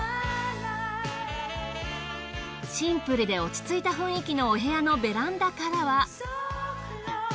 シンプルで落ち着いた雰囲気のお部屋のベランダからは。